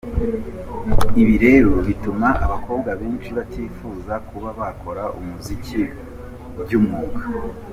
Ibi rero bituma abakobwa benshi batifuza kuba bakora umuziki by’umwuga.